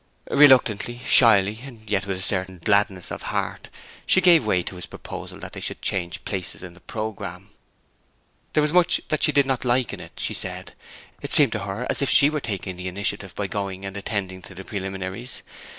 Reluctantly, shyly, and yet with a certain gladness of heart, she gave way to his proposal that they should change places in the programme. There was much that she did not like in it, she said. It seemed to her as if she were taking the initiative by going and attending to the preliminaries.